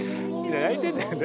泣いてんだよね。